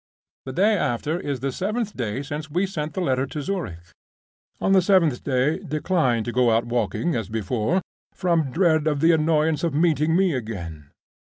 The day after is the seventh day since we sent the letter to Zurich. On the seventh day decline to go out walking as before, from dread of the annoyance of meeting me again.